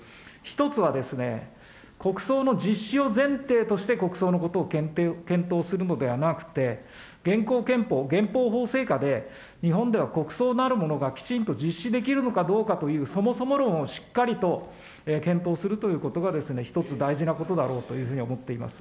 １つはですね、国葬の実施を前提として、国葬のことを検討するのではなくて、現行憲法、現行法制下で日本では国葬なるものがきちんと実施できるのかどうかという、そもそも論をしっかりと検討するということが、１つ、大事なことだろうというふうに思っています。